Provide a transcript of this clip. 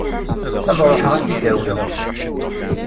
Ad ruḥeɣ ad t-id-awiɣ.